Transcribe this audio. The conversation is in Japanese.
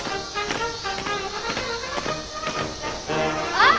あっ！